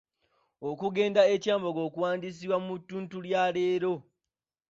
Okugenda e Kyambogo okuwandiisibwa mu ttuntu lya leero.